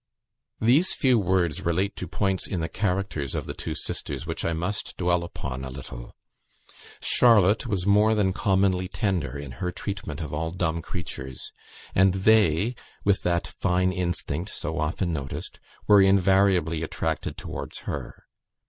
These few words relate to points in the characters of the two sisters, which I must dwell upon a little. Charlotte was more than commonly tender in her treatment of all dumb creatures, and they, with that fine instinct so often noticed, were invariably attracted towards her.